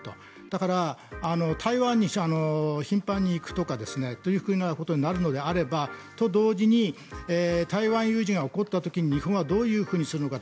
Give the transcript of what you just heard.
だから、台湾に頻繁に行くとかそういうことになるのであれば同時に台湾有事が起こった時に日本はどういうふうにするのか。